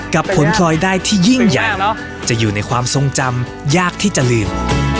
ผลพลอยได้ที่ยิ่งใหญ่จะอยู่ในความทรงจำยากที่จะลืม